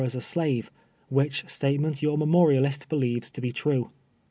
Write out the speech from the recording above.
s a slave, which stiite ment your memorialist believes to he true.